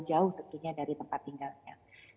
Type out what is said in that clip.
jauh tentunya dari tempat tinggalnya